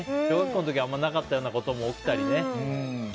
小学校の時はあんまりなかったようなことも起きたりね。